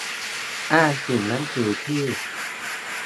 อ้างถึงหนังสือที่